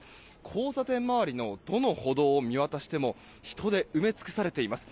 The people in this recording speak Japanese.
交差点周りのどの歩道を見渡しても人で埋め尽くされています。